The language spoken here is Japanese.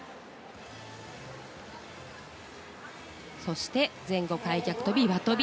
そして前後開脚とび、輪とび。